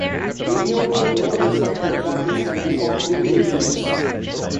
Many of the more refined examples can be found in museums.